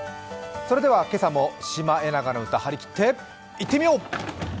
それでは今朝も「シマエナガの歌」張り切っていってみよう。